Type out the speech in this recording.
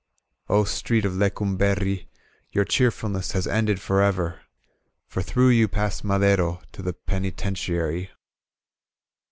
"0 Street of Lecumberri Your cheerfulness has ended forever For through you passed Madero To the Penitentiary.